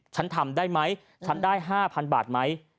ฉันทำได้ไหมฉันได้๕๐๐๐บาทไหม